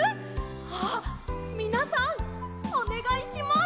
あっみなさんおねがいします！